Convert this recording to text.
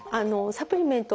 サプリメント